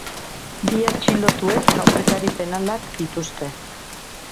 Bi atxilotuek aurrekari penalak dituzte.